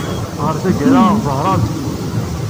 Ɣer tagara teḍher-aɣ-d tidet.